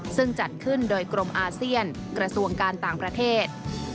ซึ่งจัดขึ้นโดยกรมอาเซียนกระทรวงการต่างประเทศ